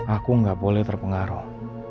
aku gak boleh terpengaruh